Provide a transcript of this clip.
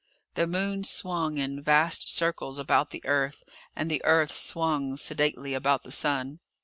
The Moon swung in vast circles about the Earth, and the Earth swung sedately about the Sun.